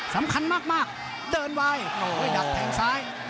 สำคัญมากเดินไวดักแทงซ้าย